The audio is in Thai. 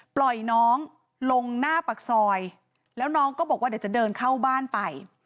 ปล่อยน้องลงหน้าปากซอยแล้วน้องก็บอกว่าเดี๋ยวจะเดินเข้าบ้านไป